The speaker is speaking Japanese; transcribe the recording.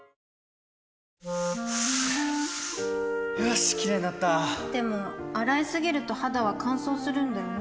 よしキレイになったでも、洗いすぎると肌は乾燥するんだよね